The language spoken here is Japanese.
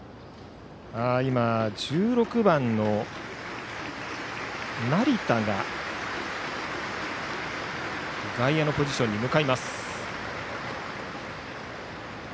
今、１６番の成田が外野のポジションに向かいます。